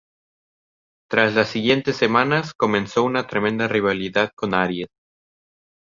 Tras las siguientes semanas, comenzó una tremenda rivalidad con Aries.